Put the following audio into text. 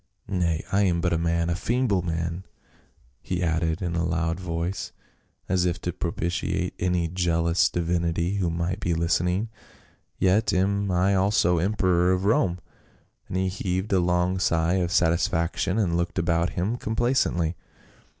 — Nay, I am but a man — a feeble man," he added in a loud voice, as if to propitiate any jealous divinity who might be listening. "Yet am I also emperor of Rome," and he heaved a long sigh of satisfaction and looked about him complacently.